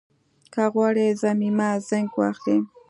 که غواړئ ضمیمه زېنک واخلئ